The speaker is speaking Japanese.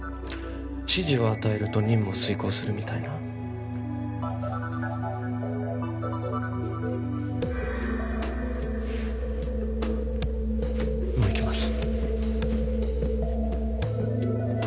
指示を与えると任務を遂行するみたいなもう行きます